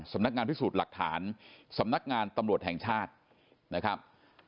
สำนักงานพิสูจน์หลักฐานสำนักงานตำรวจแห่งชาตินะครับ